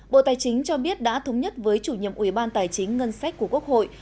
bộ tài chính cho biết đã thống nhất với chủ nhiệm ủy ban tài chính ngân sách của quốc hội